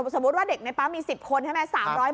สมมุติว่าเด็กในปั๊มมี๑๐คนใช่ไหม